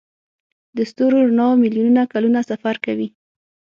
د ستورو رڼا میلیونونه کلونه سفر کوي.